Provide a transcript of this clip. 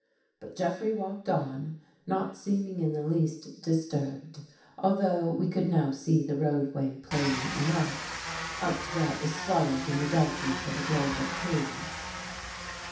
But Jeffrey walked on, not seeming in the least disturbed, although we could now see the roadway plainly enough, up to where it was swallowed in the darkness of a grove of trees.